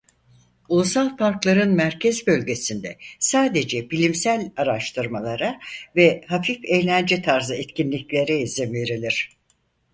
Ulusal parkların merkez bölgesinde sadece bilimsel araştırmalara ve hafif eğlence tarzı etkinliklere izin verilir.